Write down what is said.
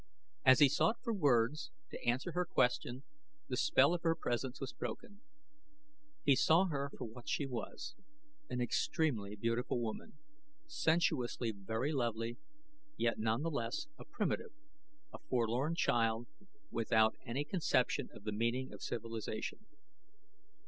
As he sought for words to answer her question, the spell of her presence was broken. He saw her for what she was: an extremely beautiful woman, sensuously very lovely, yet nonetheless a primitive a forlorn child without any conception of the meaning of civilization.